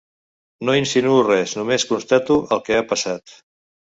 No insinuo res, només constato el que ha passat.